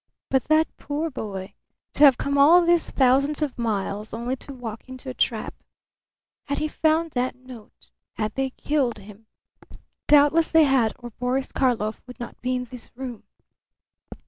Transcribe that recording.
But that poor boy to have come all these thousands of miles, only to walk into a trap! Had he found that note? Had they killed him? Doubtless they had or Boris Karlov would not be in this room.